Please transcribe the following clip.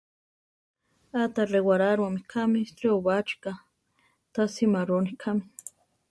Áta rewaráruame kame reobachi ká, ta simaroni kame.